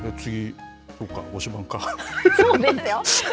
そうですよ。